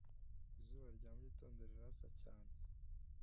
Izuba ryo mu gitondo rirasa cyane